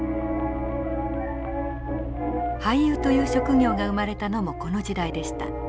俳優という職業が生まれたのもこの時代でした。